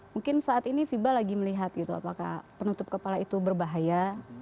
mungkin saat ini fiba lagi melihat gitu apakah penutup kepala itu berbahaya